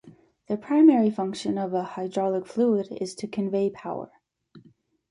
The primary function of a hydraulic fluid is to convey power.